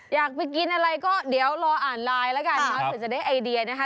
อยากไปกินอะไรก็เดี๋ยวรออ่านไลน์แล้วกันเนอะเผื่อจะได้ไอเดียนะคะ